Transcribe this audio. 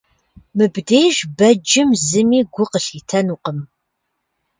Мыбдеж бэджым зыми гу къылъитэхэнукъым.